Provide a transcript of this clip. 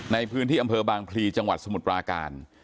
ในพื้นที่อำเภอบางพลีจังหวัดสมุทรปราการ